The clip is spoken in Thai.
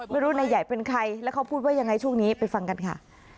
ไม่รู้นายใหญ่เป็นใครแล้วเขาพูดว่ายังไงช่วงนี้ไปฟังกันค่ะ